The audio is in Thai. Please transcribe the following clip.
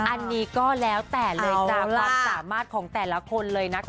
อันนี้ก็แล้วแต่เลยจากความสามารถของแต่ละคนเลยนะคะ